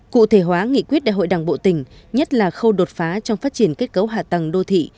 cụ thể hóa nghị quyết đại hội đảng bộ tỉnh nhất là khâu đột phá trong phát triển kết cấu hạ tầng đô thị